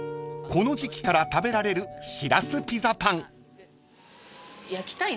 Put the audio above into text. この時季から食べられるしらすピザパン］